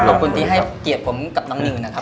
ขอบคุณที่ให้เกียรติผมกับน้องนิวนะครับ